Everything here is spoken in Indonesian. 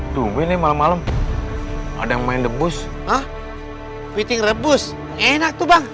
tuh ini malam malam ada yang main rebus piting rebus enak tuh bang